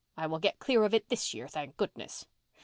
I will get clear of it this year, thank goodness.